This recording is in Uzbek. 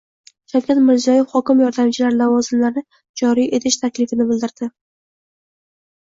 Shavkat Mirziyoyev hokim yordamchilari lavozimlarini joriy etish taklifini bildirdi